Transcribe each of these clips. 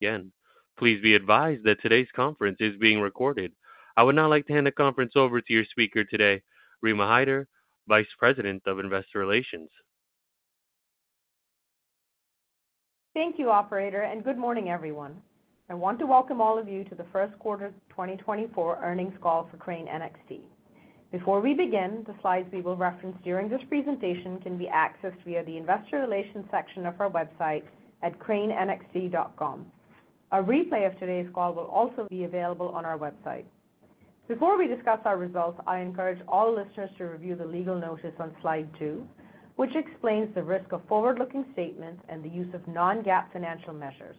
Again, please be advised that today's conference is being recorded. I would now like to hand the conference over to your speaker today, Rima Hyder, Vice President of Investor Relations. Thank you, operator, and good morning, everyone. I want to welcome all of you to the First Quarter 2024 Earnings Call for Crane NXT. Before we begin, the slides we will reference during this presentation can be accessed via the Investor Relations section of our website at cranenxt.com. A replay of today's call will also be available on our website. Before we discuss our results, I encourage all listeners to review the legal notice on slide 2, which explains the risk of forward-looking statements and the use of non-GAAP financial measures.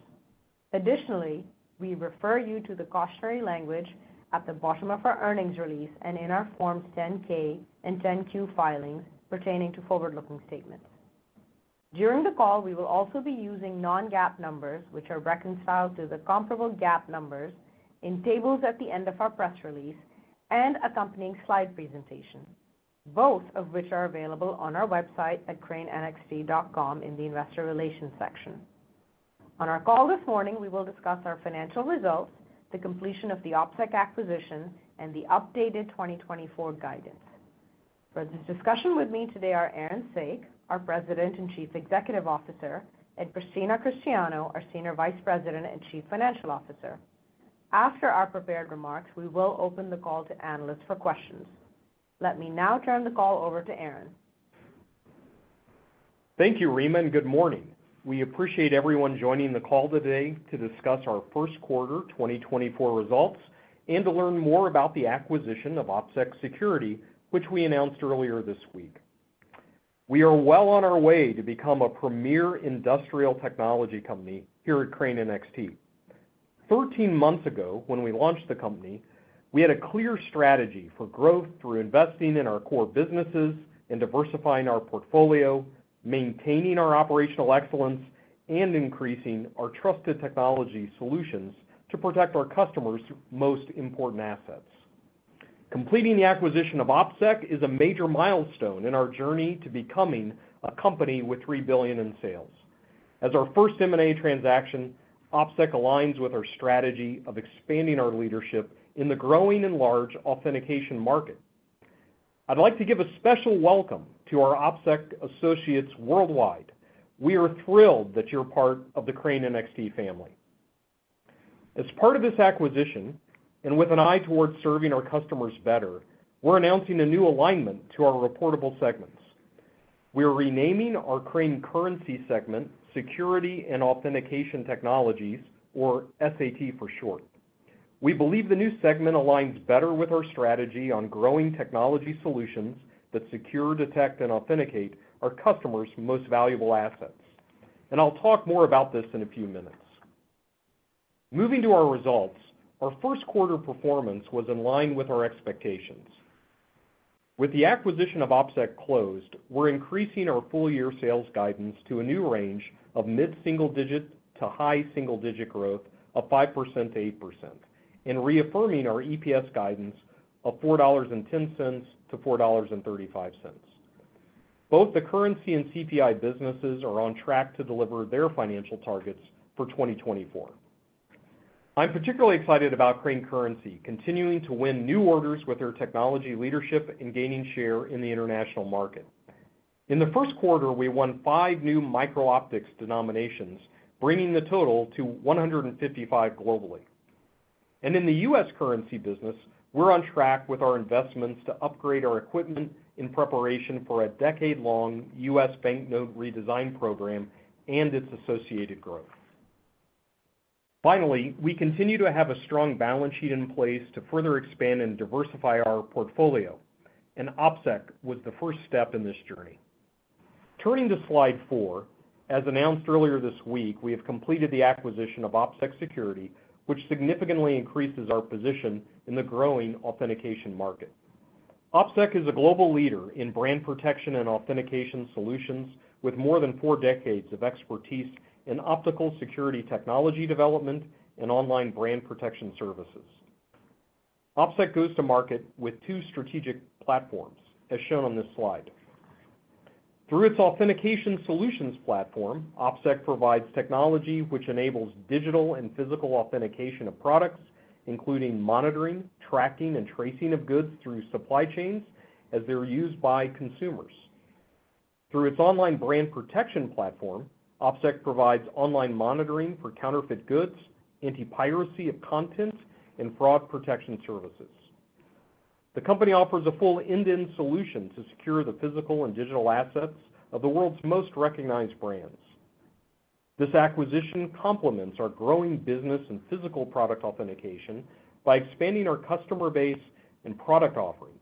Additionally, we refer you to the cautionary language at the bottom of our earnings release and in our Forms 10-K and 10-Q filings pertaining to forward-looking statements. During the call, we will also be using non-GAAP numbers, which are reconciled through the comparable GAAP numbers in tables at the end of our press release and accompanying slide presentation, both of which are available on our website at cranenxt.com in the Investor Relations section. On our call this morning, we will discuss our financial results, the completion of the OpSec acquisition, and the updated 2024 guidance. For this discussion with me today are Aaron Saak, our President and Chief Executive Officer, and Christina Cristiano, our Senior Vice President and Chief Financial Officer. After our prepared remarks, we will open the call to analysts for questions. Let me now turn the call over to Aaron. Thank you, Rima, and good morning. We appreciate everyone joining the call today to discuss our first quarter 2024 results and to learn more about the acquisition of OpSec Security, which we announced earlier this week. We are well on our way to become a premier industrial technology company here at Crane NXT. Thirteen months ago, when we launched the company, we had a clear strategy for growth through investing in our core businesses and diversifying our portfolio, maintaining our operational excellence, and increasing our trusted technology solutions to protect our customers' most important assets. Completing the acquisition of OpSec is a major milestone in our journey to becoming a company with $3 billion in sales. As our first M&A transaction, OpSec aligns with our strategy of expanding our leadership in the growing and large authentication market. I'd like to give a special welcome to our OpSec associates worldwide. We are thrilled that you're part of the Crane NXT family. As part of this acquisition, and with an eye towards serving our customers better, we're announcing a new alignment to our reportable segments. We are renaming our Crane Currency segment Security and Authentication Technologies, or SAT for short. We believe the new segment aligns better with our strategy on growing technology solutions that secure, detect, and authenticate our customers' most valuable assets. And I'll talk more about this in a few minutes. Moving to our results, our first quarter performance was in line with our expectations. With the acquisition of OpSec closed, we're increasing our full-year sales guidance to a new range of mid-single digit to high single-digit growth of 5% to 8% and reaffirming our EPS guidance of $4.10 to $4.35. Both the Currency and CPI businesses are on track to deliver their financial targets for 2024. I'm particularly excited about Crane Currency continuing to win new orders with their technology leadership and gaining share in the international market. In the first quarter, we won 5 new micro-optics denominations, bringing the total to 155 globally. In the U.S. currency business, we're on track with our investments to upgrade our equipment in preparation for a decade-long U.S. banknote redesign program and its associated growth. Finally, we continue to have a strong balance sheet in place to further expand and diversify our portfolio, and OpSec was the first step in this journey. Turning to slide 4, as announced earlier this week, we have completed the acquisition of OpSec Security, which significantly increases our position in the growing authentication market. OpSec is a global leader in brand protection and authentication solutions, with more than four decades of expertise in optical security technology development and online brand protection services. OpSec goes to market with two strategic platforms, as shown on this slide. Through its authentication solutions platform, OpSec provides technology which enables digital and physical authentication of products, including monitoring, tracking, and tracing of goods through supply chains as they are used by consumers. Through its online brand protection platform, OpSec provides online monitoring for counterfeit goods, anti-piracy of content, and fraud protection services. The company offers a full end-to-end solution to secure the physical and digital assets of the world's most recognized brands. This acquisition complements our growing business and physical product authentication by expanding our customer base and product offerings,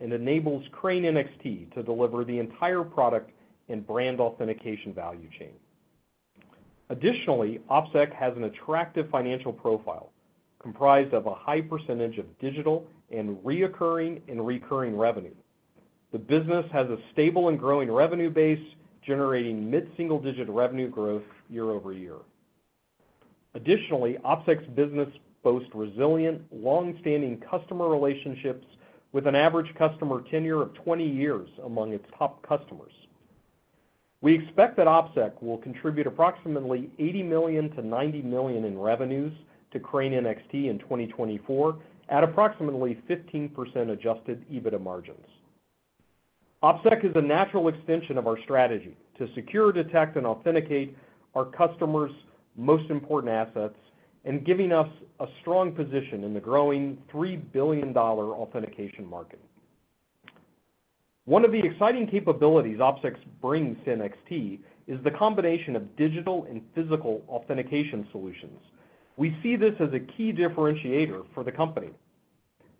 and enables Crane NXT to deliver the entire product and brand authentication value chain. Additionally, OpSec has an attractive financial profile comprised of a high percentage of digital and reoccurring and recurring revenue. The business has a stable and growing revenue base, generating mid-single-digit revenue growth year over year. Additionally, OpSec's business boasts resilient, long-standing customer relationships with an average customer tenure of 20 years among its top customers. We expect that OpSec will contribute approximately $80 million to $90 million in revenues to Crane NXT in 2024, at approximately 15% adjusted EBITDA margins. OpSec is a natural extension of our strategy to secure, detect, and authenticate our customers' most important assets, and giving us a strong position in the growing $3 billion authentication market. One of the exciting capabilities OpSec brings to NXT is the combination of digital and physical authentication solutions. We see this as a key differentiator for the company.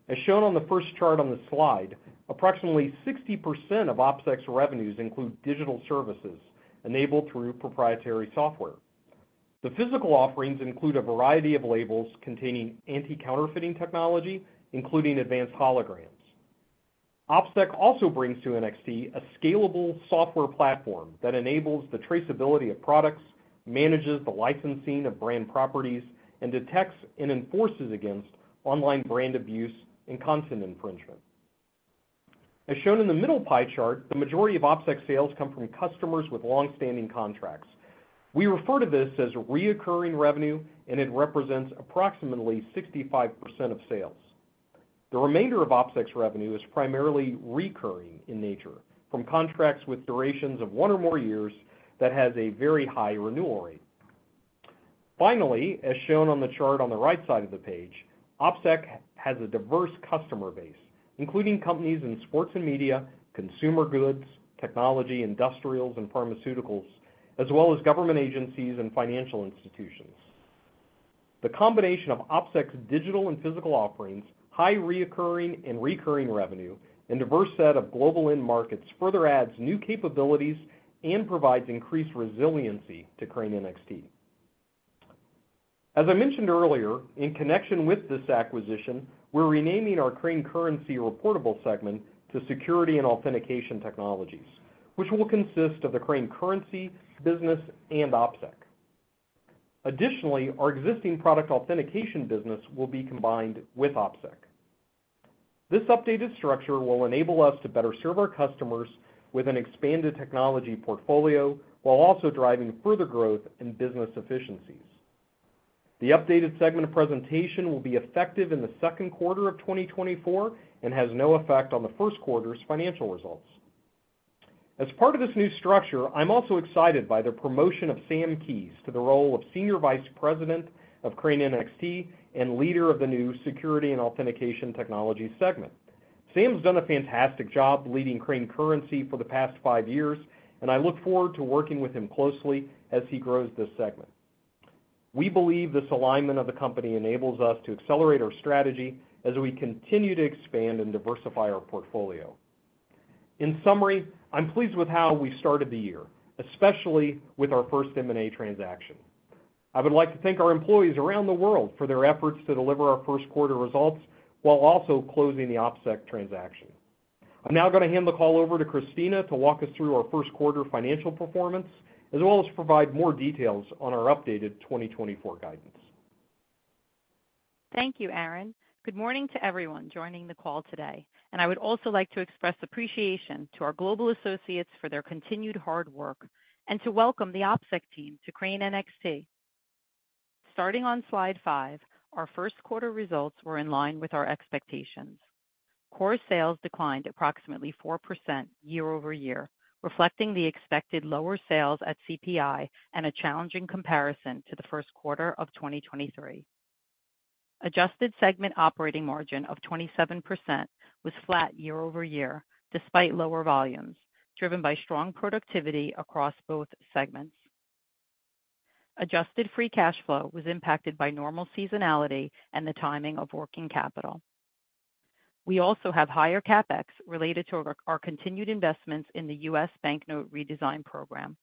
As shown on the first chart on the slide, approximately 60% of OpSec's revenues include digital services enabled through proprietary software. The physical offerings include a variety of labels containing anti-counterfeiting technology, including advanced holograms. OpSec also brings to NXT a scalable software platform that enables the traceability of products, manages the licensing of brand properties, and detects and enforces against online brand abuse and content infringement. As shown in the middle pie chart, the majority of OpSec sales come from customers with long-standing contracts. We refer to this as recurring revenue, and it represents approximately 65% of sales. The remainder of OpSec's revenue is primarily recurring in nature, from contracts with durations of one or more years that has a very high renewal rate. Finally, as shown on the chart on the right side of the page, OpSec has a diverse customer base, including companies in sports and media, consumer goods, technology, industrials, and pharmaceuticals, as well as government agencies and financial institutions. The combination of OpSec's digital and physical offerings, high reoccurring and recurring revenue, and diverse set of global end markets further adds new capabilities and provides increased resiliency to Crane NXT. As I mentioned earlier, in connection with this acquisition, we're renaming our Crane Currency reportable segment to Security and Authentication Technologies, which will consist of the Crane Currency business and OpSec. Additionally, our existing product authentication business will be combined with OpSec. This updated structure will enable us to better serve our customers with an expanded technology portfolio, while also driving further growth and business efficiencies. The updated segment of presentation will be effective in the second quarter of 2024 and has no effect on the first quarter's financial results. As part of this new structure, I'm also excited by the promotion of Sam Keayes to the role of Senior Vice President of Crane NXT and leader of the new Security and Authentication Technologies segment. Sam's done a fantastic job leading Crane Currency for the past five years, and I look forward to working with him closely as he grows this segment. We believe this alignment of the company enables us to accelerate our strategy as we continue to expand and diversify our portfolio. In summary, I'm pleased with how we started the year, especially with our first M&A transaction. I would like to thank our employees around the world for their efforts to deliver our first quarter results, while also closing the OpSec transaction. I'm now going to hand the call over to Christina to walk us through our first quarter financial performance, as well as provide more details on our updated 2024 guidance. Thank you, Aaron. Good morning to everyone joining the call today, and I would also like to express appreciation to our global associates for their continued hard work, and to welcome the OpSec team to Crane NXT. Starting on slide 5, our first quarter results were in line with our expectations. Core sales declined approximately 4% year-over-year, reflecting the expected lower sales at CPI and a challenging comparison to the first quarter of 2023. Adjusted segment operating margin of 27% was flat year-over-year, despite lower volumes, driven by strong productivity across both segments. Adjusted free cash flow was impacted by normal seasonality and the timing of working capital. We also have higher CapEx related to our continued investments in the U.S. banknote redesign program.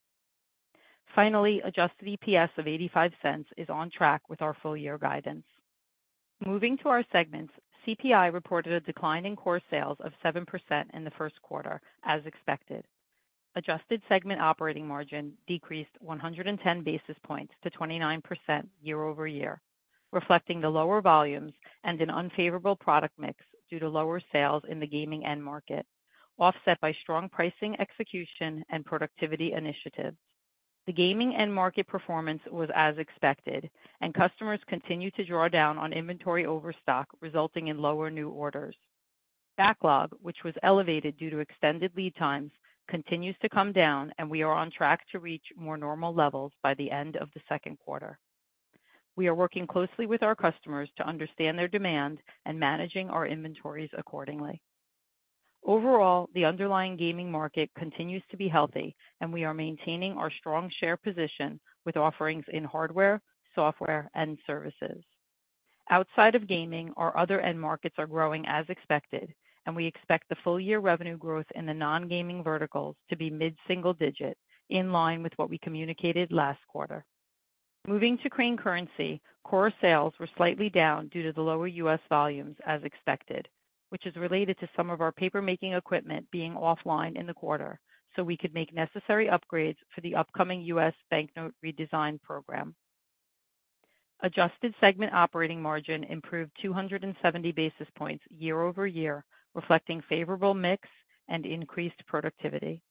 Finally, adjusted EPS of $0.85 is on track with our full year guidance. Moving to our segments, CPI reported a decline in core sales of 7% in the first quarter, as expected. Adjusted segment operating margin decreased 110 basis points to 29% year-over-year, reflecting the lower volumes and an unfavorable product mix due to lower sales in the gaming end market, offset by strong pricing, execution, and productivity initiatives. The gaming end market performance was as expected, and customers continued to draw down on inventory overstock, resulting in lower new orders. Backlog, which was elevated due to extended lead times, continues to come down, and we are on track to reach more normal levels by the end of the second quarter. We are working closely with our customers to understand their demand and managing our inventories accordingly. Overall, the underlying gaming market continues to be healthy, and we are maintaining our strong share position with offerings in hardware, software, and services. Outside of gaming, our other end markets are growing as expected, and we expect the full-year revenue growth in the non-gaming verticals to be mid-single-digit, in line with what we communicated last quarter. Moving to Crane Currency, core sales were slightly down due to the lower U.S. volumes as expected, which is related to some of our papermaking equipment being offline in the quarter, so we could make necessary upgrades for the upcoming U.S. banknote redesign program. Adjusted segment operating margin improved 270 basis points year-over-year, reflecting favorable mix and increased productivity.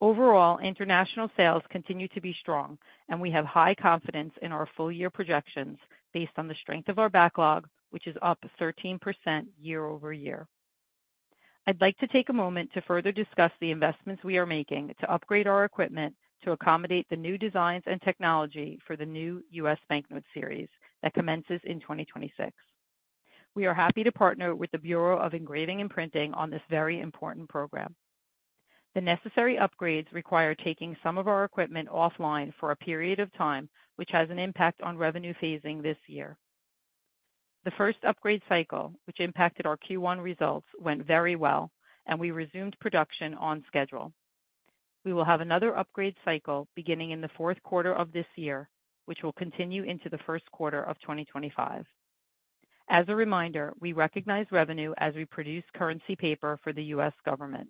Overall, international sales continue to be strong, and we have high confidence in our full-year projections based on the strength of our backlog, which is up 13% year-over-year. I'd like to take a moment to further discuss the investments we are making to upgrade our equipment to accommodate the new designs and technology for the new U.S. banknote series that commences in 2026. We are happy to partner with the Bureau of Engraving and Printing on this very important program. The necessary upgrades require taking some of our equipment offline for a period of time, which has an impact on revenue phasing this year. The first upgrade cycle, which impacted our Q1 results, went very well, and we resumed production on schedule. We will have another upgrade cycle beginning in the fourth quarter of this year, which will continue into the first quarter of 2025. As a reminder, we recognize revenue as we produce currency paper for the U.S. government.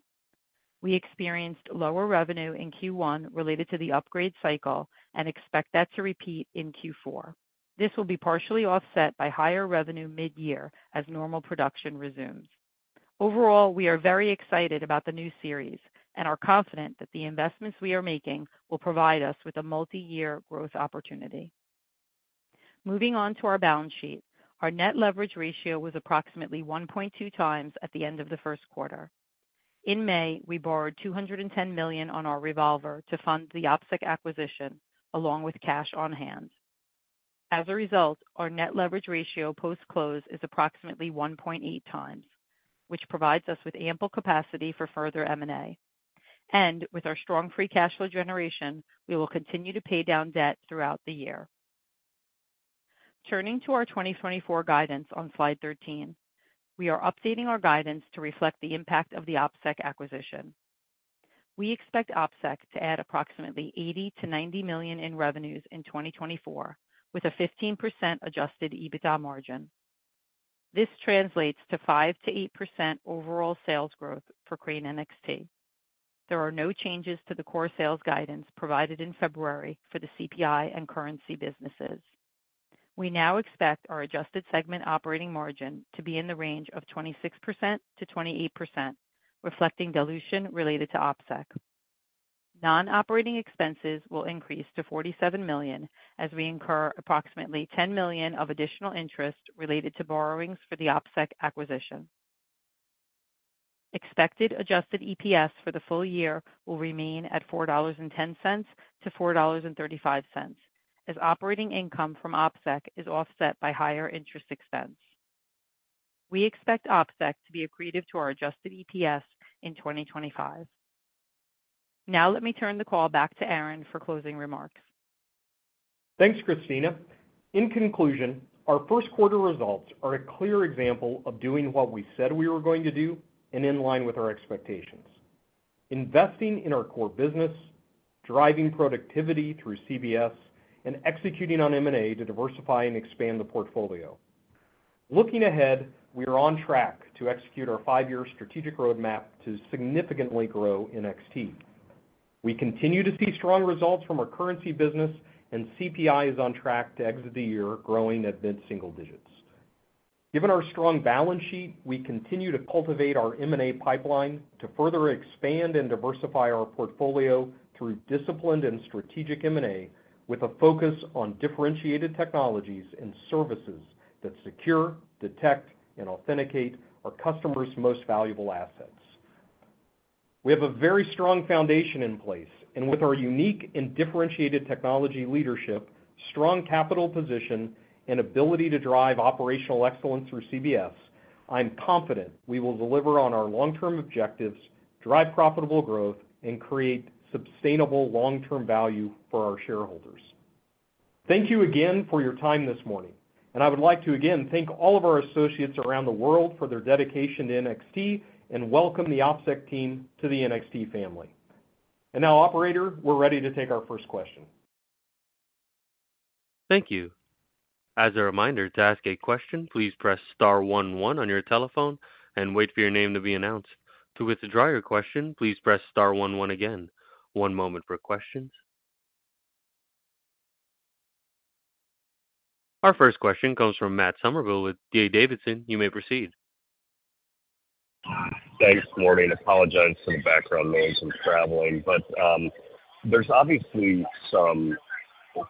We experienced lower revenue in Q1 related to the upgrade cycle and expect that to repeat in Q4. This will be partially offset by higher revenue mid-year as normal production resumes. Overall, we are very excited about the new series and are confident that the investments we are making will provide us with a multi-year growth opportunity. Moving on to our balance sheet. Our net leverage ratio was approximately 1.2x at the end of the first quarter. In May, we borrowed $210 million on our revolver to fund the OpSec acquisition, along with cash on hand. As a result, our net leverage ratio post-close is approximately 1.8x, which provides us with ample capacity for further M&A. With our strong free cash flow generation, we will continue to pay down debt throughout the year. Turning to our 2024 guidance on Slide 13, we are updating our guidance to reflect the impact of the OpSec acquisition. We expect OpSec to add approximately $80 million to $90 million in revenues in 2024, with a 15% adjusted EBITDA margin. This translates to 5% to 8% overall sales growth for Crane NXT. There are no changes to the core sales guidance provided in February for the CPI and currency businesses. We now expect our adjusted segment operating margin to be in the range of 26% to 28%, reflecting dilution related to OpSec. Non-operating expenses will increase to $47 million as we incur approximately $10 million of additional interest related to borrowings for the OpSec acquisition. Expected Adjusted EPS for the full year will remain at $4.10 to $4.35, as operating income from OpSec is offset by higher interest expense. We expect OpSec to be accretive to our Adjusted EPS in 2025. Now let me turn the call back to Aaron for closing remarks. Thanks, Christina. In conclusion, our first quarter results are a clear example of doing what we said we were going to do and in line with our expectations, investing in our core business, driving productivity through CBS, and executing on M&A to diversify and expand the portfolio. Looking ahead, we are on track to execute our five-year strategic roadmap to significantly grow NXT. We continue to see strong results from our currency business, and CPI is on track to exit the year growing at mid-single digits. Given our strong balance sheet, we continue to cultivate our M&A pipeline to further expand and diversify our portfolio through disciplined and strategic M&A, with a focus on differentiated technologies and services that secure, detect, and authenticate our customers' most valuable assets. We have a very strong foundation in place, and with our unique and differentiated technology leadership, strong capital position, and ability to drive operational excellence through CBS, I am confident we will deliver on our long-term objectives, drive profitable growth, and create sustainable long-term value for our shareholders. Thank you again for your time this morning, and I would like to again thank all of our associates around the world for their dedication to NXT and welcome the OpSec team to the NXT family. Now, operator, we're ready to take our first question. Thank you. As a reminder, to ask a question, please press star one one on your telephone and wait for your name to be announced. To withdraw your question, please press star one one again. One moment for questions. Our first question comes from Matt Somerville with D.A. Davidson. You may proceed. Thanks. Morning. Apologize for the background noise, I'm traveling. But, there's obviously some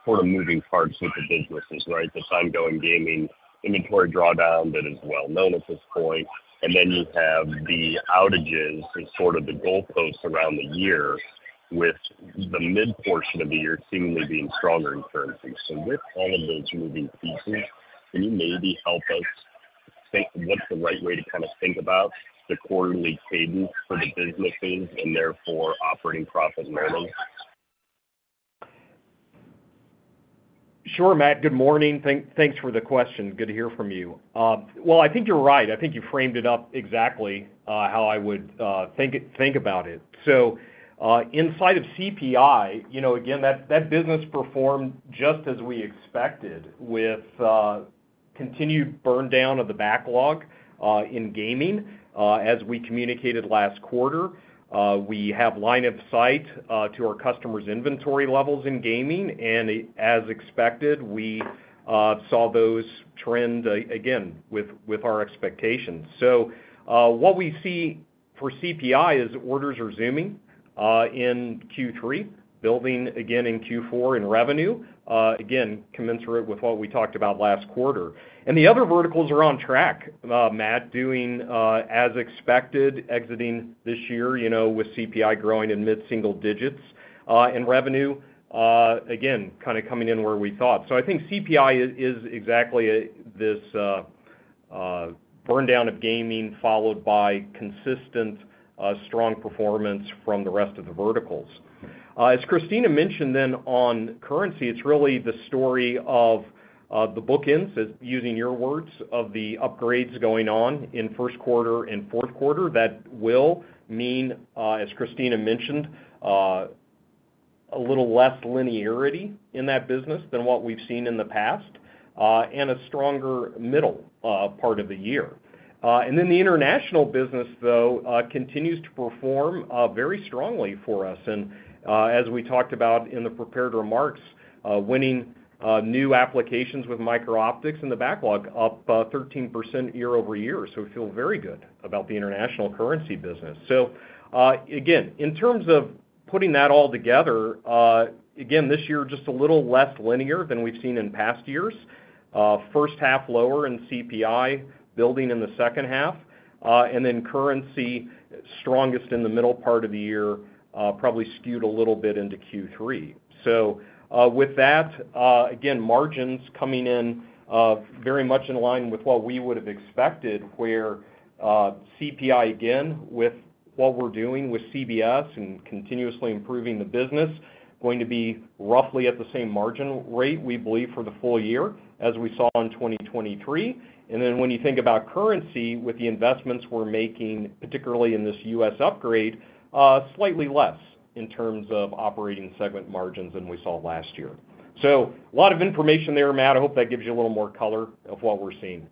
sort of moving parts with the businesses, right? This ongoing gaming inventory drawdown that is well known at this point, and then you have the outages as sort of the goalposts around the year, with the mid-portion of the year seemingly being stronger in currency. So with all of those moving pieces, can you maybe help us think what's the right way to kind of think about the quarterly cadence for the businesses and therefore, operating profit margins? Sure, Matt. Good morning. Thanks for the question. Good to hear from you. Well, I think you're right. I think you framed it up exactly how I would think about it. So, inside of CPI, you know, again, that business performed just as we expected with continued burn down of the backlog in gaming. As we communicated last quarter, we have line of sight to our customers' inventory levels in gaming, and as expected, we saw those trend again with our expectations. So, what we see for CPI is orders are resuming in Q3, building again in Q4 in revenue, again, commensurate with what we talked about last quarter. The other verticals are on track, Matt, doing as expected, exiting this year, you know, with CPI growing in mid-single digits in revenue, again, kind of coming in where we thought. So I think CPI is exactly this burn down of gaming, followed by consistent strong performance from the rest of the verticals. As Christina mentioned then on currency, it's really the story of the bookends, as using your words, of the upgrades going on in first quarter and fourth quarter. That will mean, as Christina mentioned, a little less linearity in that business than what we've seen in the past, and a stronger middle part of the year. And then the international business, though, continues to perform very strongly for us. As we talked about in the prepared remarks, winning new applications with micro-optics and the backlog up 13% year-over-year. So we feel very good about the international currency business. So, again, in terms of putting that all together, again, this year, just a little less linear than we've seen in past years. First half, lower in CPI, building in the second half, and then currency strongest in the middle part of the year, probably skewed a little bit into Q3. So, with that, again, margins coming in very much in line with what we would have expected, where, CPI, again, with what we're doing with CBS and continuously improving the business, going to be roughly at the same margin rate, we believe, for the full year as we saw in 2023. And then when you think about currency, with the investments we're making, particularly in this U.S. upgrade, slightly less in terms of operating segment margins than we saw last year. So a lot of information there, Matt. I hope that gives you a little more color of what we're seeing.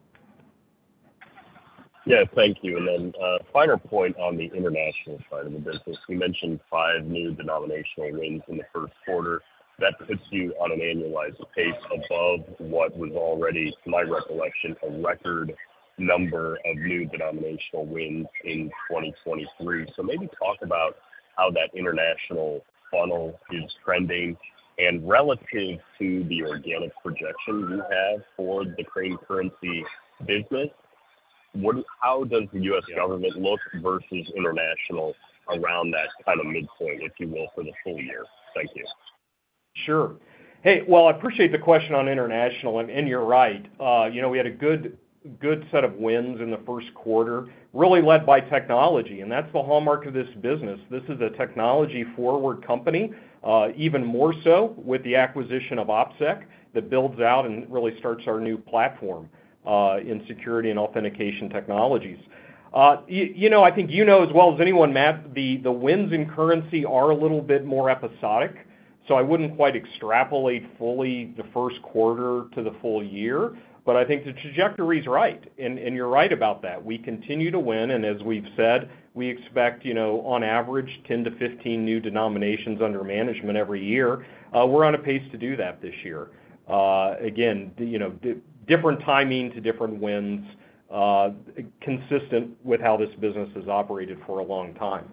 Yeah, thank you. And then, final point on the international side of the business. You mentioned five new denominational wins in the first quarter. That puts you on an annualized pace above what was already, to my recollection, a record number of new denominational wins in 2023. So maybe talk about how that international funnel is trending, and relative to the organic projection you have for the Crane Currency business, how does the U.S. government look versus international around that kind of midpoint, if you will, for the full year? Thank you. Sure. Hey, well, I appreciate the question on international, and you're right. You know, we had a good set of wins in the first quarter, really led by technology, and that's the hallmark of this business. This is a technology forward company, even more so with the acquisition of OpSec, that builds out and really starts our new platform in Security and Authentication Technologies. You know, I think you know as well as anyone, Matt, the wins in currency are a little bit more episodic, so I wouldn't quite extrapolate fully the first quarter to the full-year, but I think the trajectory is right, and you're right about that. We continue to win, and as we've said, we expect, you know, on average, 10 to 15 new denominations under management every year. We're on a pace to do that this year. Again, you know, different timing to different wins, consistent with how this business has operated for a long time.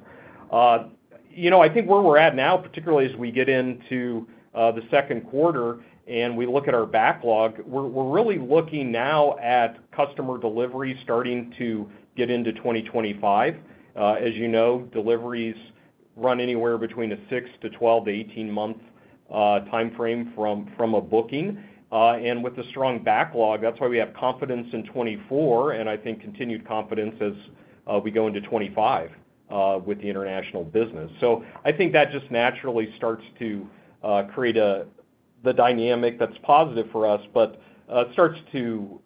You know, I think where we're at now, particularly as we get into the second quarter and we look at our backlog, we're really looking now at customer delivery starting to get into 2025. As you know, deliveries run anywhere between a 6-month to 12-month to 18-month timeframe from a booking, and with a strong backlog, that's why we have confidence in 2024, and I think continued confidence as we go into 2025 with the international business. So I think that just naturally starts to create the dynamic that's positive for us, but starts to,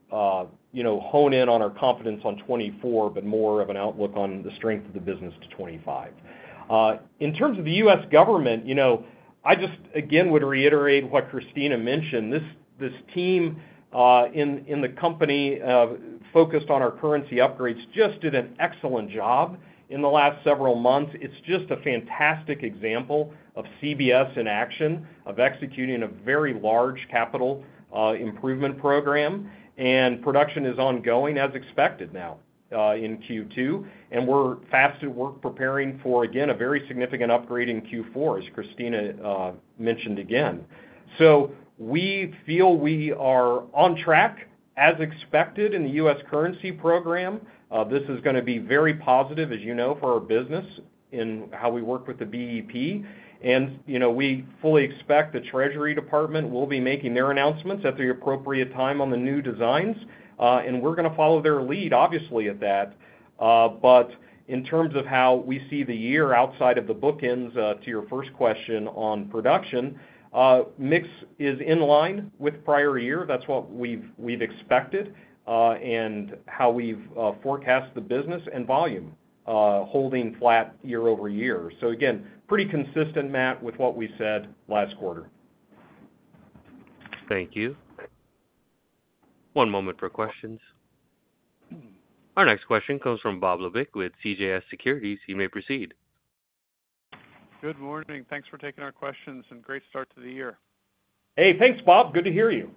you know, hone in on our confidence on 2024, but more of an outlook on the strength of the business to 2025. In terms of the U.S. government, you know, I just again would reiterate what Christina mentioned. This team in the company focused on our currency upgrades just did an excellent job in the last several months. It's just a fantastic example of CBS in action, of executing a very large capital improvement program, and production is ongoing as expected now in Q2. We're fast at work preparing for, again, a very significant upgrade in Q4, as Christina mentioned again. We feel we are on track as expected in the U.S. currency program. This is going to be very positive, as you know, for our business in how we work with the BEP. And, you know, we fully expect the Treasury Department will be making their announcements at the appropriate time on the new designs, and we're going to follow their lead, obviously, at that. But in terms of how we see the year outside of the bookends, to your first question on production, mix is in line with prior year. That's what we've expected, and how we've forecast the business and volume, holding flat year-over-year. So again, pretty consistent, Matt, with what we said last quarter. Thank you. One moment for questions. Our next question comes from Bob Labick with CJS Securities. You may proceed. Good morning. Thanks for taking our questions, and great start to the year. Hey, thanks, Bob. Good to hear you.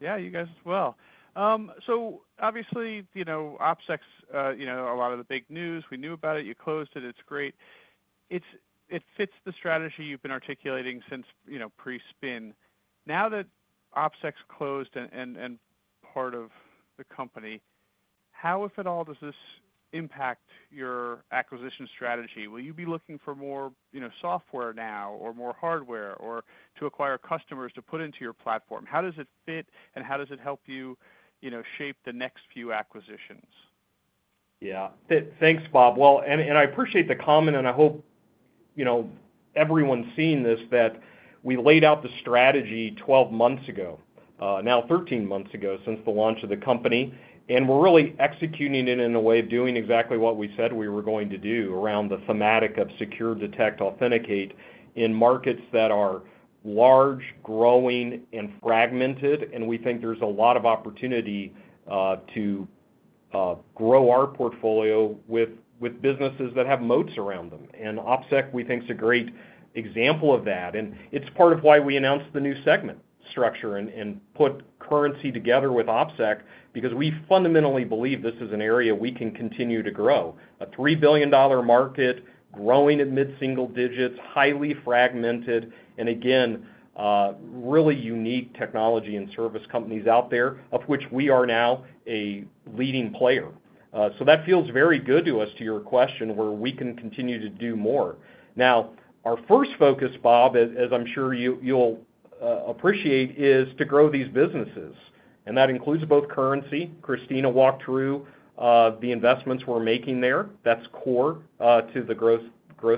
Yeah, you guys as well. So obviously, you know, OpSec, you know, a lot of the big news, we knew about it, you closed it. It's great. It fits the strategy you've been articulating since, you know, pre-spin. Now that OpSec's closed and part of the company, how, if at all, does this impact your acquisition strategy? Will you be looking for more, you know, software now, or more hardware, or to acquire customers to put into your platform? How does it fit, and how does it help you, you know, shape the next few acquisitions? Yeah. Thanks, Bob. Well, and I appreciate the comment, and I hope, you know, everyone's seen this, that we laid out the strategy 12 months ago, now 13 months ago, since the launch of the company, and we're really executing it in a way of doing exactly what we said we were going to do around the thematic of secure, detect, authenticate in markets that are large, growing and fragmented. And we think there's a lot of opportunity to grow our portfolio with businesses that have moats around them. And OpSec, we think, is a great example of that, and it's part of why we announced the new segment structure and put currency together with OpSec, because we fundamentally believe this is an area we can continue to grow. A $3 billion market, growing at mid-single digits, highly fragmented, and again, really unique technology and service companies out there, of which we are now a leading player. So that feels very good to us, to your question, where we can continue to do more. Now, our first focus, Bob, as I'm sure you'll appreciate, is to grow these businesses, and that includes both currency. Christina walked through the investments we're making there. That's core to the growth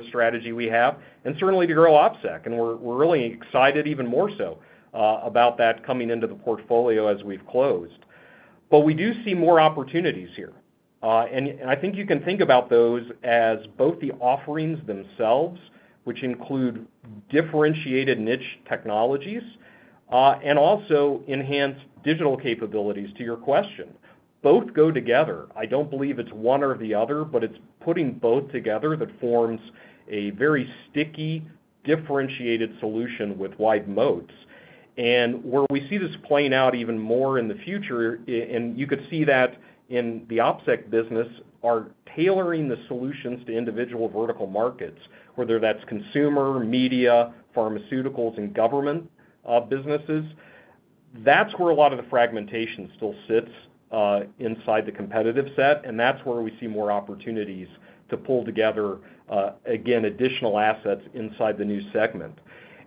strategy we have, and certainly to grow OpSec. And we're really excited, even more so, about that coming into the portfolio as we've closed. But we do see more opportunities here. And I think you can think about those as both the offerings themselves, which include differentiated niche technologies, and also enhanced digital capabilities, to your question. Both go together. I don't believe it's one or the other, but it's putting both together that forms a very sticky, differentiated solution with wide moats. And where we see this playing out even more in the future, and you could see that in the OpSec business, are tailoring the solutions to individual vertical markets, whether that's consumer, media, pharmaceuticals and government businesses. That's where a lot of the fragmentation still sits inside the competitive set, and that's where we see more opportunities to pull together again additional assets inside the new segment.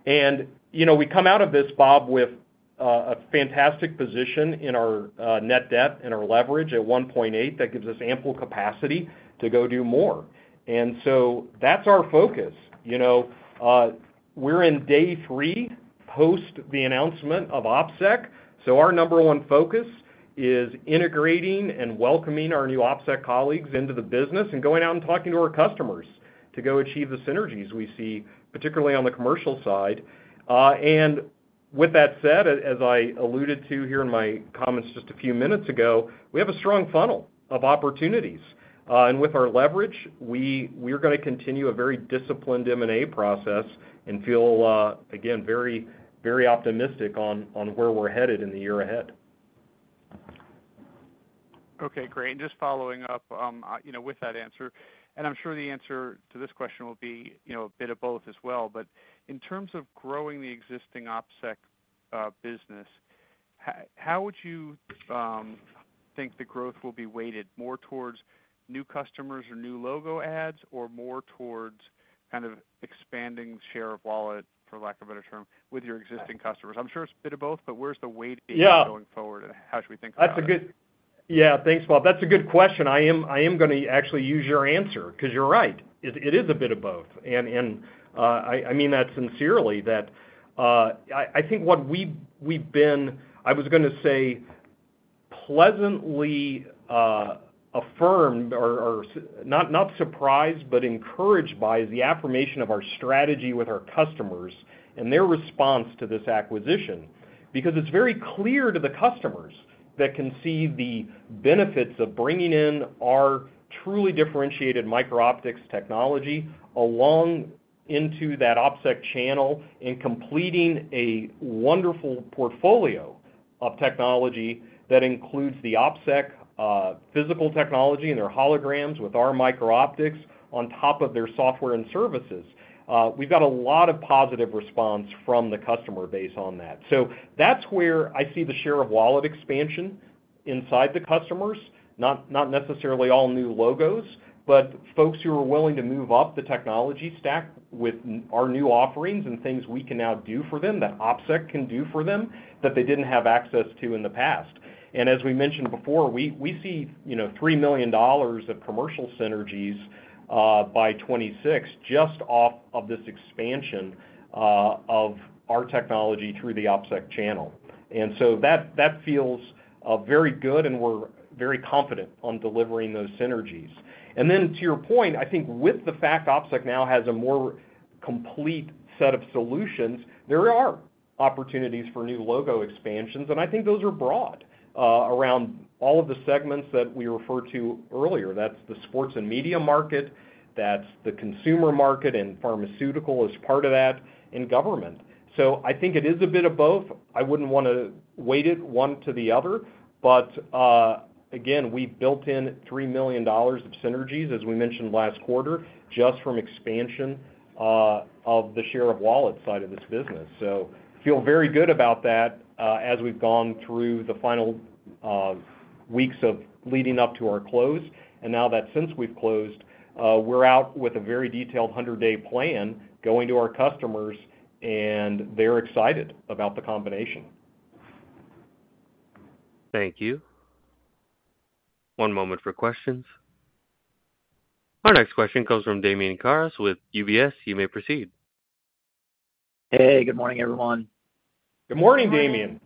And, you know, we come out of this, Bob, with a fantastic position in our net debt and our leverage at 1.8. That gives us ample capacity to go do more. And so that's our focus. You know, we're in day three, post the announcement of OpSec, so our number one focus is integrating and welcoming our new OpSec colleagues into the business and going out and talking to our customers to go achieve the synergies we see, particularly on the commercial side. And with that said, as I alluded to here in my comments just a few minutes ago, we have a strong funnel of opportunities. And with our leverage, we are going to continue a very disciplined M&A process and feel, again, very, very optimistic on, on where we're headed in the year ahead. Okay, great. Just following up, you know, with that answer, and I'm sure the answer to this question will be, you know, a bit of both as well, but in terms of growing the existing OpSec business, how would you think the growth will be weighted more towards new customers or new logo adds, or more towards kind of expanding share of wallet, for lack of a better term, with your existing customers? I'm sure it's a bit of both, but where's the weight being going forward? Yeah And how should we think about it? Yeah, thanks, Bob. That's a good question. I am going to actually use your answer, because you're right, it is a bit of both. I mean that sincerely. I think what we've been, I was going to say pleasantly affirmed or not surprised, but encouraged by the affirmation of our strategy with our customers and their response to this acquisition. Because it's very clear to the customers that can see the benefits of bringing in our truly differentiated Micro-optics technology along into that OpSec channel and completing a wonderful portfolio of technology that includes the OpSec physical technology and their holograms with our Micro-optics on top of their software and services. We've got a lot of positive response from the customer base on that. So that's where I see the share of wallet expansion inside the customers, not necessarily all new logos, but folks who are willing to move up the technology stack with our new offerings and things we can now do for them, that OpSec can do for them, that they didn't have access to in the past. And as we mentioned before, we see, you know, $3 million of commercial synergies by 2026, just off of this expansion of our technology through the OpSec channel. And so that feels very good, and we're very confident on delivering those synergies. And then to your point, I think with the fact OpSec now has a more complete set of solutions, there are opportunities for new logo expansions, and I think those are broad around all of the segments that we referred to earlier. That's the sports and media market, that's the consumer market, and pharmaceutical is part of that, and government. So I think it is a bit of both. I wouldn't want to weigh it one to the other, but, again, we've built in $3 million of synergies, as we mentioned last quarter, just from expansion of the shared wallet side of this business. So I feel very good about that, as we've gone through the final, weeks of leading up to our close. And now that since we've closed, we're out with a very detailed 100-day plan going to our customers, and they're excited about the combination. Thank you. One moment for questions. Our next question comes from Damian Karas with UBS. You may proceed. Hey, good morning, everyone. Good morning, Damian.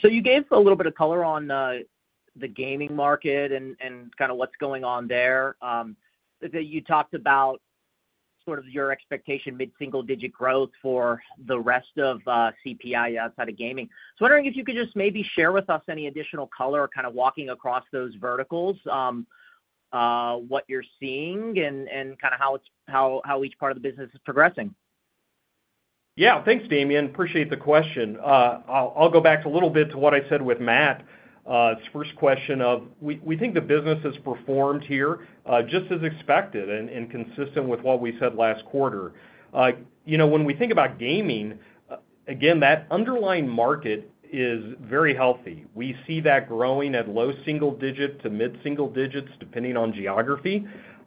So you gave us a little bit of color on the gaming market and kind of what's going on there. You talked about sort of your expectation, mid-single digit growth for the rest of CPI outside of gaming. So I'm wondering if you could just maybe share with us any additional color, kind of walking across those verticals, what you're seeing and kind of how each part of the business is progressing. Yeah. Thanks, Damian. Appreciate the question. I'll go back a little bit to what I said with Matt, his first question. We think the business has performed here just as expected and consistent with what we said last quarter. You know, when we think about gaming, again, that underlying market is very healthy. We see that growing at low single digit to mid-single digits, depending on geography,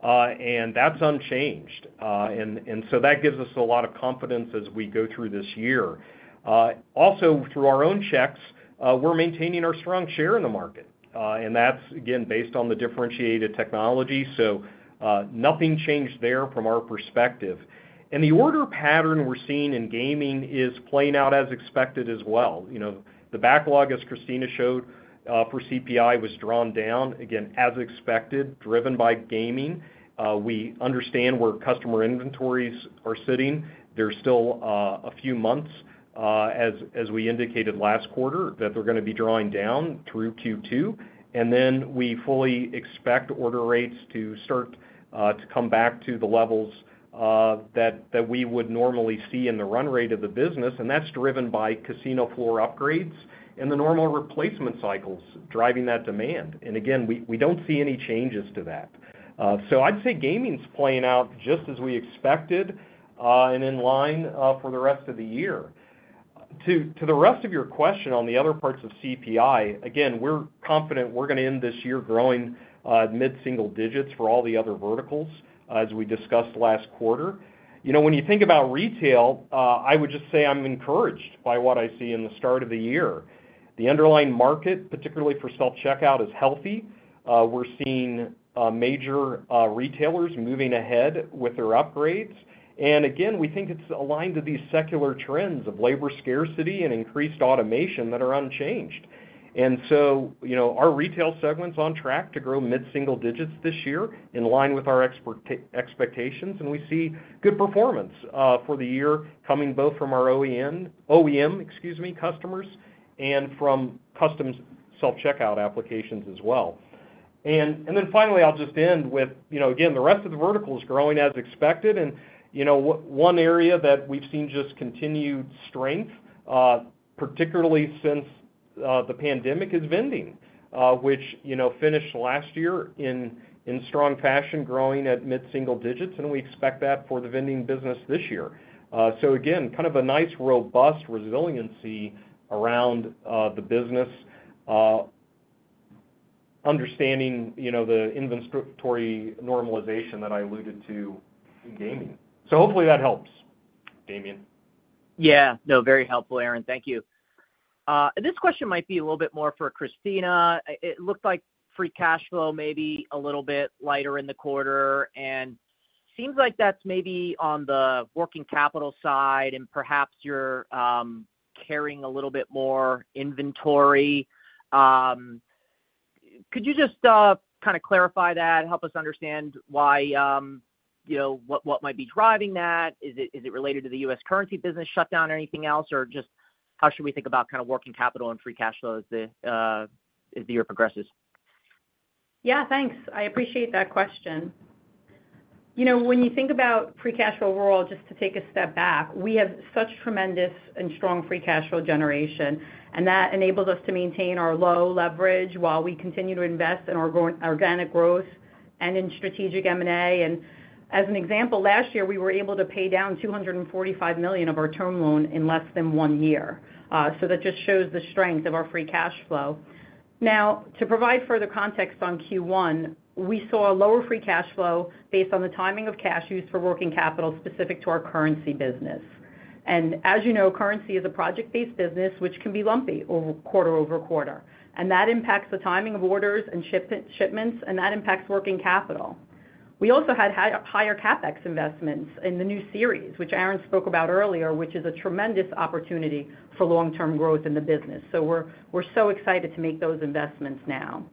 and that's unchanged. And so that gives us a lot of confidence as we go through this year. Also, through our own checks, we're maintaining our strong share in the market, and that's, again, based on the differentiated technology, so nothing changed there from our perspective. And the order pattern we're seeing in gaming is playing out as expected as well. You know, the backlog, as Christina showed, for CPI, was drawn down, again, as expected, driven by gaming. We understand where customer inventories are sitting. There's still a few months, as we indicated last quarter, that they're going to be drawing down through Q2, and then we fully expect order rates to start to come back to the levels that we would normally see in the run rate of the business, and that's driven by casino floor upgrades and the normal replacement cycles driving that demand. And again, we don't see any changes to that. So I'd say gaming's playing out just as we expected, and in line for the rest of the year. To the rest of your question on the other parts of CPI, again, we're confident we're going to end this year growing mid-single digits for all the other verticals, as we discussed last quarter. You know, when you think about retail, I would just say I'm encouraged by what I see in the start of the year. The underlying market, particularly for self-checkout, is healthy. We're seeing major retailers moving ahead with their upgrades. And again, we think it's aligned to these secular trends of labor scarcity and increased automation that are unchanged. And so, you know, our retail segment is on track to grow mid-single digits this year, in line with our expectations, and we see good performance for the year coming both from our OEM, excuse me, customers and from custom self-checkout applications as well. And then finally, I'll just end with, you know, again, the rest of the vertical is growing as expected, and, you know, one area that we've seen just continued strength, particularly since the pandemic, is vending, which, you know, finished last year in strong fashion, growing at mid-single digits, and we expect that for the vending business this year. So again, kind of a nice, robust resiliency around the business, understanding, you know, the inventory normalization that I alluded to in gaming. So hopefully that helps, Damian. Yeah. No, very helpful, Aaron. Thank you. This question might be a little bit more for Christina. It looked like free cash flow may be a little bit lighter in the quarter, and seems like that's maybe on the working capital side, and perhaps you're carrying a little bit more inventory. Could you just kind of clarify that and help us understand why, you know, what might be driving that? Is it related to the U.S. currency business shutdown or anything else or just how should we think about kind of working capital and free cash flow as the year progresses? Yeah, thanks. I appreciate that question. You know, when you think about free cash flow overall, just to take a step back, we have such tremendous and strong free cash flow generation, and that enables us to maintain our low leverage while we continue to invest in our organic growth and in strategic M&A. And as an example, last year, we were able to pay down $245 million of our term loan in less than one year. So that just shows the strength of our free cash flow. Now, to provide further context on Q1, we saw a lower free cash flow based on the timing of cash used for working capital specific to our currency business. And as you know, currency is a project-based business, which can be lumpy quarter-over-quarter, and that impacts the timing of orders and shipments, and that impacts working capital. We also had higher CapEx investments in the new series, which Aaron spoke about earlier, which is a tremendous opportunity for long-term growth in the business. So we're so excited to make those investments now.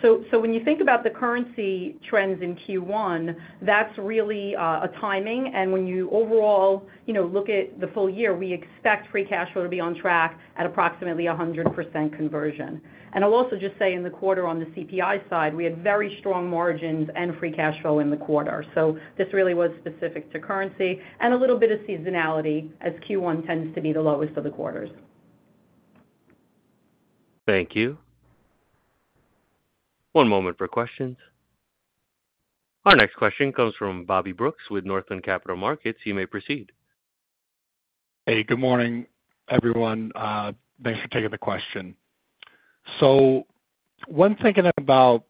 So when you think about the currency trends in Q1, that's really a timing. And when you overall, you know, look at the full year, we expect free cash flow to be on track at approximately 100% conversion. And I'll also just say in the quarter, on the CPI side, we had very strong margins and free cash flow in the quarter. This really was specific to currency and a little bit of seasonality, as Q1 tends to be the lowest of the quarters. Thank you. One moment for questions. Our next question comes from Bobby Brooks with Northland Capital Markets. You may proceed. Hey, good morning, everyone. Thanks for taking the question. So when thinking about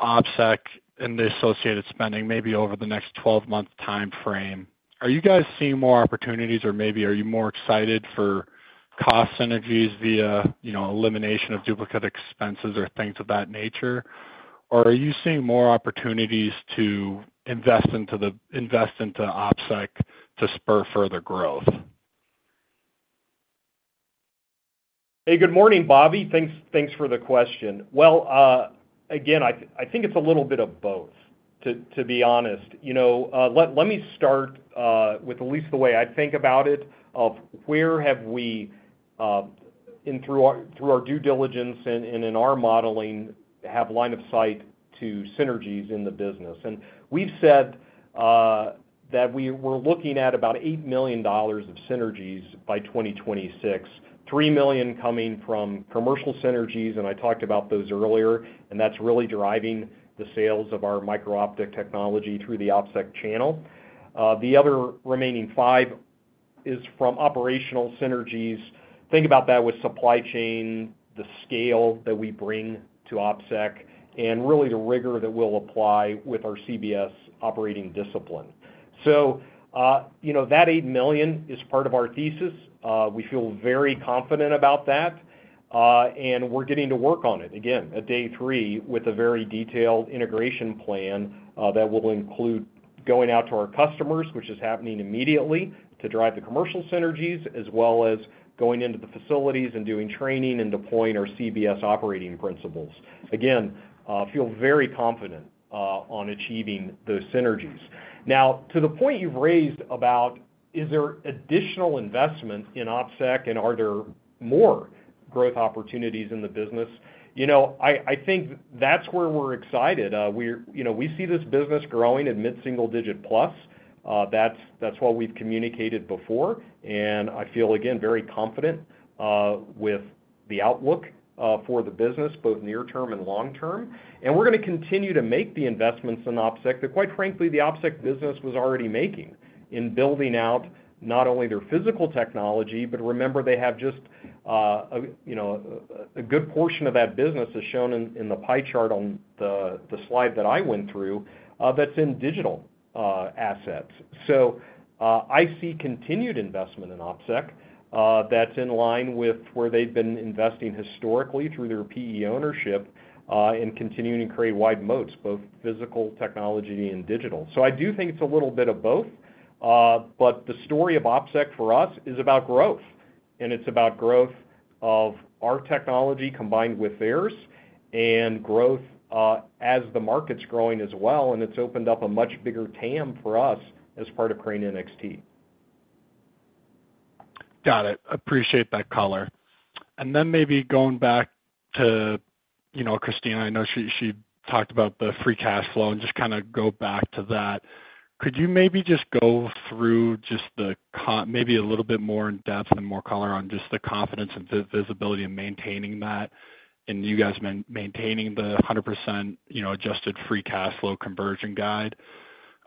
OpSec and the associated spending, maybe over the next 12-month timeframe, are you guys seeing more opportunities, or maybe are you more excited for cost synergies via, you know, elimination of duplicate expenses or things of that nature? Or are you seeing more opportunities to invest into OpSec to spur further growth? Hey, good morning, Bobby. Thanks, thanks for the question. Well, again, I think it's a little bit of both, to be honest. You know, let me start with at least the way I think about it, of where have we and through our due diligence and in our modeling, have line of sight to synergies in the business. And we've said that we're looking at about $8 million of synergies by 2026, $3 million coming from commercial synergies, and I talked about those earlier, and that's really driving the sales of our micro-optics technology through the OpSec channel. The other remaining 5 is from operational synergies. Think about that with supply chain, the scale that we bring to OpSec, and really, the rigor that we'll apply with our CBS operating discipline. So, you know, that $8 million is part of our thesis. We feel very confident about that, and we're getting to work on it, again, at day three, with a very detailed integration plan, that will include going out to our customers, which is happening immediately, to drive the commercial synergies, as well as going into the facilities and doing training and deploying our CBS operating principles. Again, I feel very confident, on achieving those synergies. Now, to the point you've raised about, is there additional investment in OpSec, and are there more growth opportunities in the business? You know, I think that's where we're excited. We are, you know, we see this business growing at mid-single digit plus. That's what we've communicated before, and I feel, again, very confident with the outlook for the business, both near term and long term. And we're going to continue to make the investments in OpSec, that, quite frankly, the OpSec business was already making in building out not only their physical technology, but remember, they have just, you know, a good portion of that business is shown in the pie chart on the slide that I went through, that's in digital assets. So I see continued investment in OpSec, that's in line with where they've been investing historically through their PE ownership, and continuing to create wide moats, both physical, technology and digital. So I do think it's a little bit of both. But the story of OpSec for us is about growth, and it's about growth of our technology combined with theirs, and growth as the market's growing as well, and it's opened up a much bigger TAM for us as part of Crane NXT. Got it. Appreciate that color. And then maybe going back to, you know, Christina, I know she talked about the free cash flow, and just kind of go back to that. Could you maybe just go through maybe a little bit more in depth and more color on just the confidence and visibility of maintaining that, and you guys maintaining the 100%, you know, adjusted free cash flow conversion guide?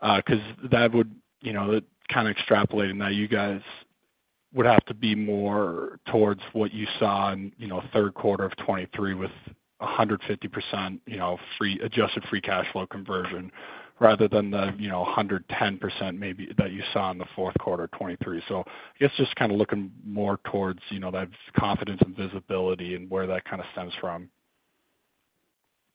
Because that would, you know, kind of extrapolating that, you guys would have to be more towards what you saw in, you know, third quarter of 2023 with a 150%, you know, adjusted free cash flow conversion, rather than the, you know, 110% maybe that you saw in the fourth quarter of 2023. So just kind of looking more towards, you know, that confidence and visibility and where that kind of stems from.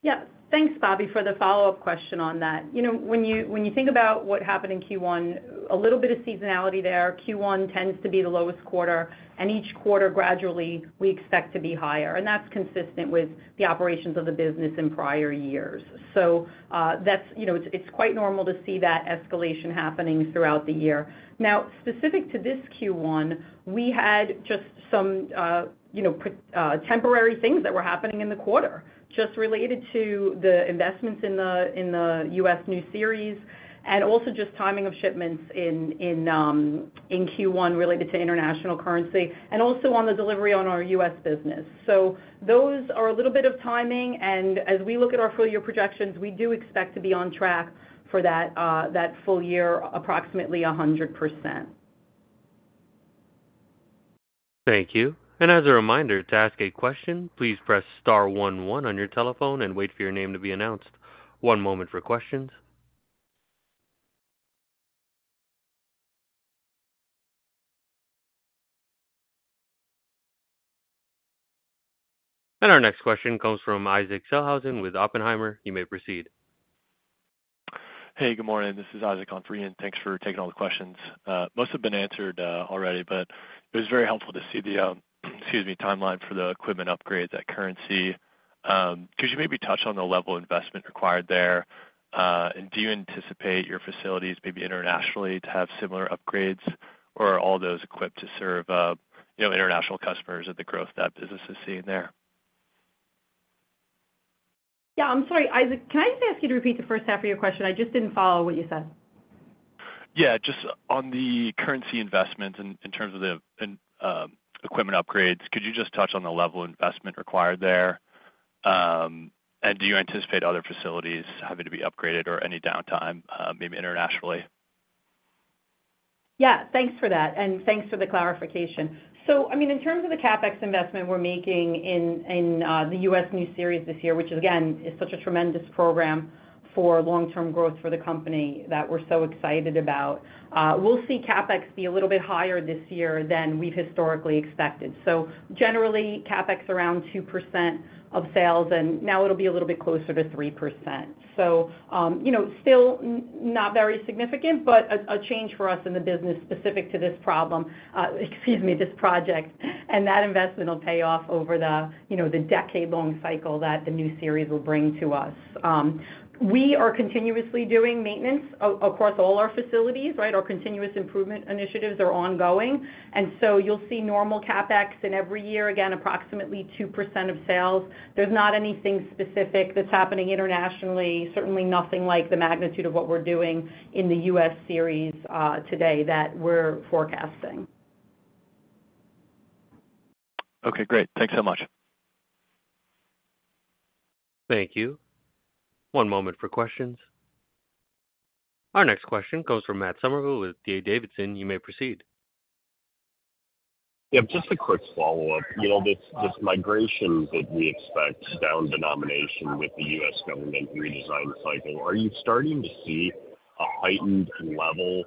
Yeah. Thanks, Bobby, for the follow-up question on that. You know, when you, when you think about what happened in Q1, a little bit of seasonality there. Q1 tends to be the lowest quarter, and each quarter, gradually, we expect to be higher, and that's consistent with the operations of the business in prior years. So, that's, you know, it's, it's quite normal to see that escalation happening throughout the year. Now, specific to this Q1, we had just some, you know, temporary things that were happening in the quarter, just related to the investments in the U.S. new series, and also just timing of shipments in, in, in Q1, related to international currency, and also on the delivery on our U.S. business. So those are a little bit of timing, and as we look at our full-year projections, we do expect to be on track for that full year, approximately 100%. Thank you. And as a reminder, to ask a question, please press star one one on your telephone and wait for your name to be announced. One moment for questions. And our next question comes from Isaac Sellhausen with Oppenheimer. You may proceed. Hey, good morning. This is Isaac on for Ian, and thanks for taking all the questions. Most have been answered already, but it was very helpful to see the timeline for the equipment upgrades at currency. Could you maybe touch on the level of investment required there? And do you anticipate your facilities, maybe internationally, to have similar upgrades, or are all those equipped to serve, you know, international customers at the growth that business is seeing there? Yeah, I'm sorry, Isaac, can I just ask you to repeat the first half of your question? I just didn't follow what you said. Yeah, just on the currency investment in terms of equipment upgrades, could you just touch on the level of investment required there? And do you anticipate other facilities having to be upgraded or any downtime, maybe internationally? Yeah, thanks for that, and thanks for the clarification. So I mean, in terms of the CapEx investment we're making in the U.S. new series this year, which again, is such a tremendous program for long-term growth for the company that we're so excited about, we'll see CapEx be a little bit higher this year than we've historically expected. So generally, CapEx around 2% of sales, and now it'll be a little bit closer to 3%. So, you know, still not very significant, but a change for us in the business specific to this problem, excuse me, this project, and that investment will pay off over the, you know, the decade-long cycle that the new series will bring to us. We are continuously doing maintenance across all our facilities, right? Our continuous improvement initiatives are ongoing, and so you'll see normal CapEx in every year, again, approximately 2% of sales. There's not anything specific that's happening internationally, certainly nothing like the magnitude of what we're doing in the U.S. series today that we're forecasting. Okay, great. Thanks so much. Thank you. One moment for questions. Our next question comes from Matt Somerville with D.A. Davidson. You may proceed. Yeah, just a quick follow-up. You know, this, this migration that we expect down denomination with the U.S. government redesign cycle, are you starting to see a heightened level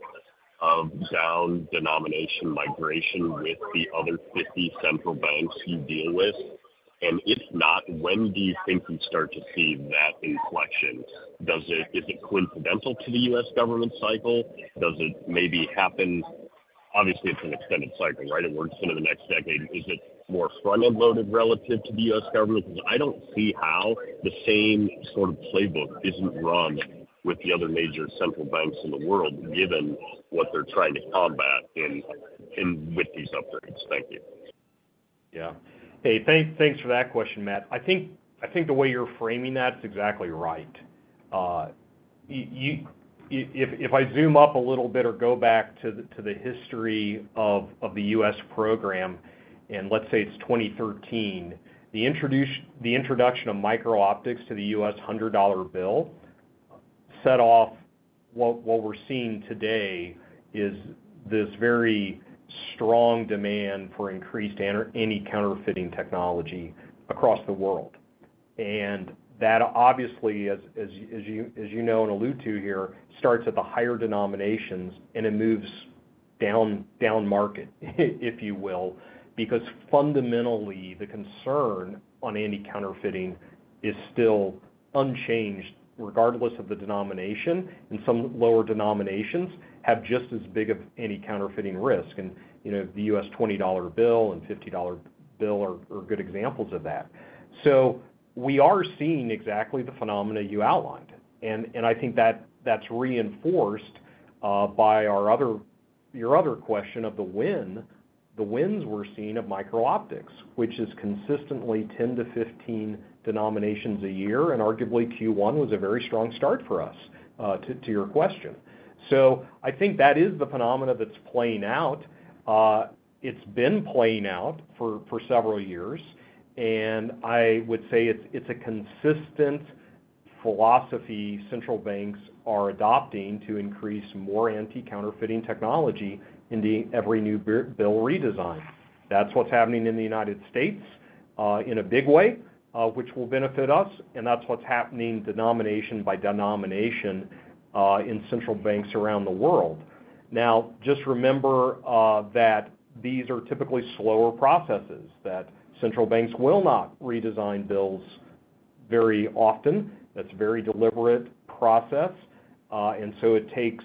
of down denomination migration with the other 50 central banks you deal with? And if not, when do you think we start to see that inflection? Is it coincidental to the U.S. government cycle? Does it maybe happen, obviously, it's an extended cycle, right? It works into the next decade. Is it more front-end loaded relative to the U.S. government? Because I don't see how the same sort of playbook isn't run with the other major central banks in the world, given what they're trying to combat in, in with these upgrades. Thank you. Yeah. Hey, thanks for that question, Matt. I think the way you're framing that is exactly right. If I zoom up a little bit or go back to the history of the U.S. program, and let's say it's 2013, the introduction of Micro-optics to the $100 bill set off what we're seeing today, is this very strong demand for increased anti-counterfeiting technology across the world. And that obviously, as you know and allude to here, starts at the higher denominations, and it moves down market, if you will, because fundamentally, the concern on anti-counterfeiting is still unchanged, regardless of the denomination, and some lower denominations have just as big of any counterfeiting risk. And, you know, the $20 bill and $50 bill are good examples of that. So we are seeing exactly the phenomena you outlined, and I think that's reinforced byyour other question of the win. The wins we're seeing of micro-optics, which is consistently 10 to 15 denominations a year, and arguably, Q1 was a very strong start for us to your question. So I think that is the phenomena that's playing out. It's been playing out for several years, and I would say it's a consistent philosophy central banks are adopting to increase more anti-counterfeiting technology in every new bill redesign. That's what's happening in the United States in a big way, which will benefit us, and that's what's happening denomination by denomination in central banks around the world. Now, just remember that these are typically slower processes, that central banks will not redesign bills very often. That's a very deliberate process, and so it takes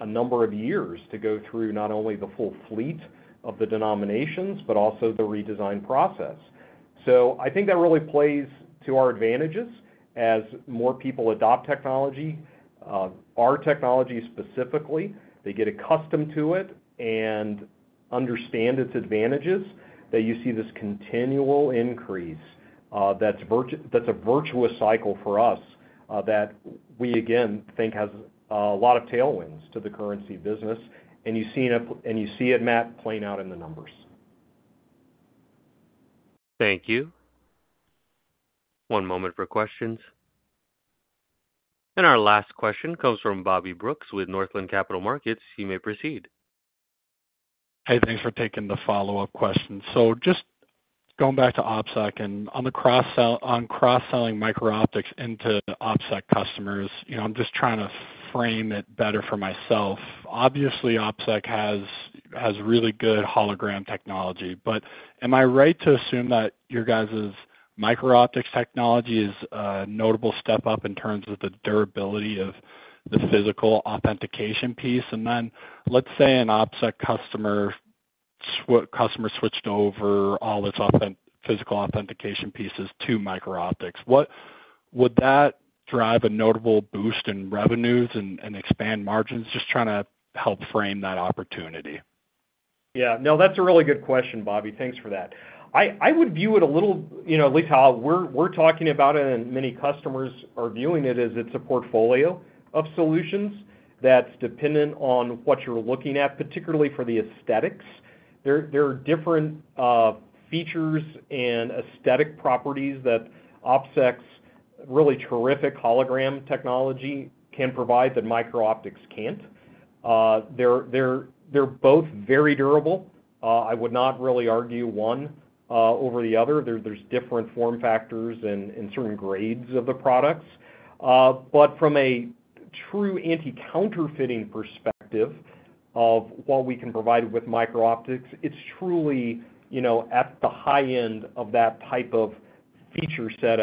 a number of years to go through not only the full fleet of the denominations, but also the redesign process. So I think that really plays to our advantages as more people adopt technology, our technology specifically, they get accustomed to it and understand its advantages, that you see this continual increase, that's a virtuous cycle for us, that we again think has a lot of tailwinds to the currency business, and you see it, Matt, playing out in the numbers. Thank you. One moment for questions. Our last question comes from Bobby Brooks with Northland Capital Markets. You may proceed. Hey, thanks for taking the follow-up question. So just going back to OpSec and on the cross-sell, on cross-selling micro-optics into OpSec customers, you know, I'm just trying to frame it better for myself. Obviously, OpSec has really good hologram technology, but am I right to assume that your guys' micro-optics technology is a notable step up in terms of the durability of the physical authentication piece. And then let's say an OpSec customer switched over all its physical authentication pieces to micro-optics. Would that drive a notable boost in revenues and expand margins? Just trying to help frame that opportunity. Yeah. No, that's a really good question, Bobby. Thanks for that. I would view it a little, you know, at least how we're talking about it and many customers are viewing it, as it's a portfolio of solutions that's dependent on what you're looking at, particularly for the aesthetics. There are different features and aesthetic properties that OpSec's really terrific hologram technology can provide, that micro-optics can't. They're both very durable. I would not really argue one over the other. There's different form factors and certain grades of the products. But from a true anti-counterfeiting perspective of what we can provide with micro-optics, it's truly, you know, at the high end of that type of feature set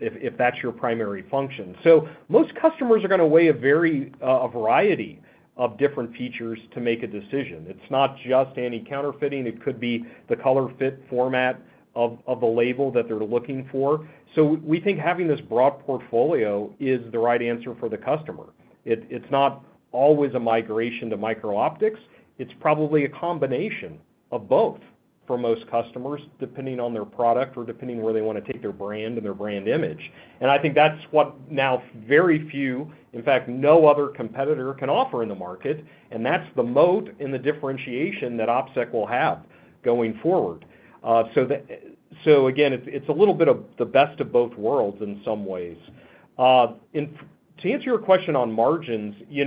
if that's your primary function. So most customers are going to weigh a variety of different features to make a decision. It's not just anti-counterfeiting. It could be the color, fit, format of the label that they're looking for. So we think having this broad portfolio is the right answer for the customer. It's not always a migration to micro-optics. It's probably a combination of both for most customers, depending on their product or depending where they want to take their brand and their brand image. And I think that's what no very few, in fact, no other competitor can offer in the market, and that's the moat and the differentiation that OpSec will have going forward. So again, it's a little bit of the best of both worlds in some ways. To answer your question on margins, you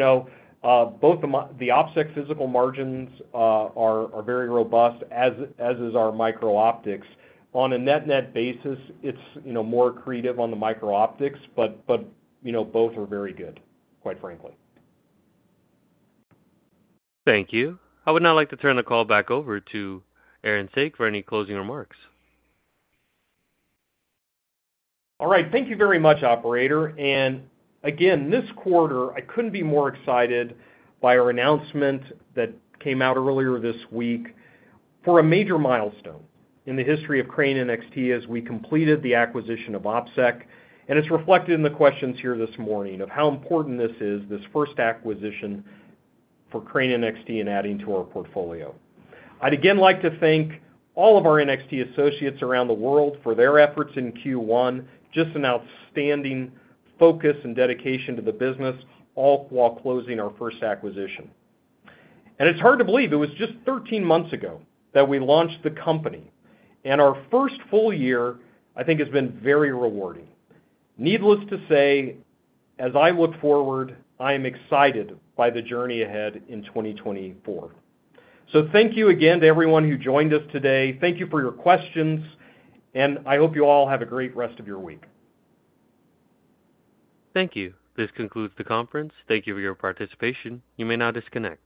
know, both the OpSec physical margins are very robust, as is our micro-optics. On a net-net basis, it's, you know, more accretive on the micro-optics, but, you know, both are very good, quite frankly. Thank you. I would now like to turn the call back over to Aaron Saak for any closing remarks. All right. Thank you very much, operator. Again, this quarter, I couldn't be more excited by our announcement that came out earlier this week for a major milestone in the history of Crane NXT, as we completed the acquisition of OpSec. It's reflected in the questions here this morning of how important this is, this first acquisition for Crane NXT in adding to our portfolio. I'd again like to thank all of our NXT associates around the world for their efforts in Q1, just an outstanding focus and dedication to the business, all while closing our first acquisition. It's hard to believe it was just 13 months ago that we launched the company, and our first full-year, I think, has been very rewarding. Needless to say, as I look forward, I am excited by the journey ahead in 2024. Thank you again to everyone who joined us today. Thank you for your questions, and I hope you all have a great rest of your week. Thank you. This concludes the conference. Thank you for your participation. You may now disconnect.